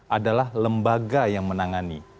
adalah lembaga yang menangani